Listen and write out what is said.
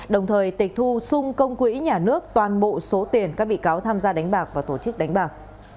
đồng thời tịch thu xung công quỹ nhà nước toàn bộ số tiền các bị cáo tham gia đánh bạc và tổ chức đánh bạc